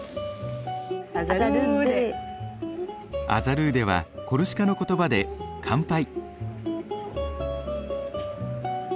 アザルーデはコルシカの言葉で乾杯。